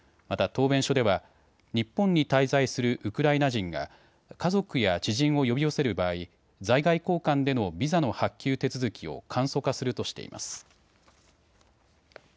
また答弁書では日本に滞在するウクライナ人が家族や知人を呼び寄せる場合、在外公館でのビザの発給手続きを簡素化するとしています。